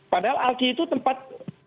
padahal alki itu tempat